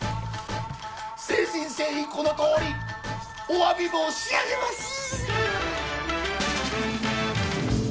誠心誠意このとおりおわび申し上げます！